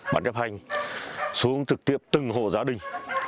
bán đếp hành xuống trực tiếp từng hộ gia đình